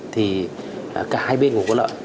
thì cả hai bên cũng có lợi